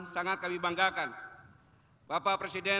bapak wakil presiden